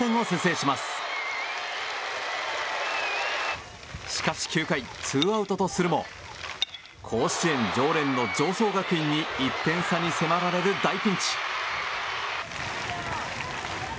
しかし、９回ツーアウトとするも甲子園常連の常総学院に１点差に迫られる大ピンチ。